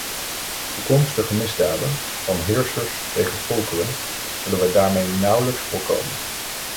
Toekomstige misdaden van heersers tegen volkeren zullen we daarmee nauwelijks voorkomen.